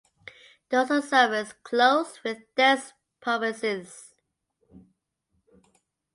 Dorsal surface clothed with dense pubescence.